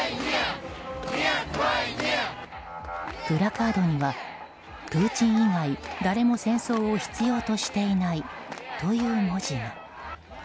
プラカードには「プーチン以外誰も戦争を必要としていない」という文字が。